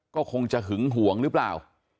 ก็คงจะหึงห่วงหรือเปล่า